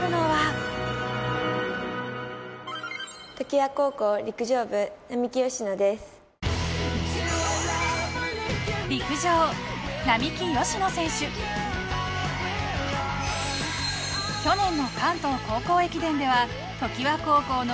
去年の関東高校駅伝では常磐高校の優勝に貢献。